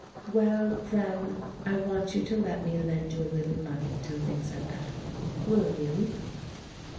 "Well, then, I want you to let me lend you a little money till things are better. Will you?"